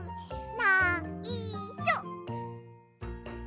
ないしょ。